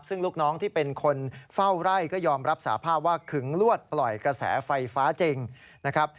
ซึ่งลูกน้องที่เป็นคนเฝ้าไร่ก็ยอมรับสาภาพว่าขึงลวดปล่อยกระแสไฟฟ้าจริงนะครับ